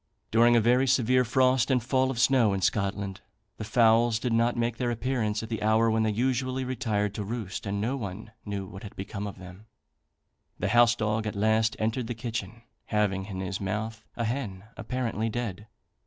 During a very severe frost and fall of snow in Scotland, the fowls did not make their appearance at the hour when they usually retired to roost, and no one knew what had become of them; the house dog at last entered the kitchen, having in his mouth a hen, apparently dead.